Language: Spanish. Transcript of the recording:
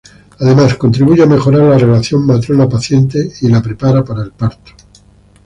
Además, contribuye a mejorar la relación matrona-paciente y la prepara para el parto.